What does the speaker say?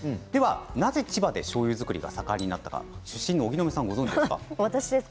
なぜ千葉で、しょうゆ造りが盛んになったのか出身の荻野目さんご存じですか？